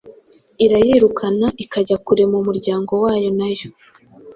irayirukana ikajya kurema umuryango wayo nayo